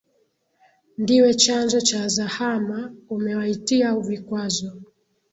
Ndiwe chanzo cha zahama, umewaitia vikwazo,